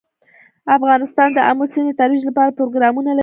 افغانستان د آمو سیند د ترویج لپاره پروګرامونه لري.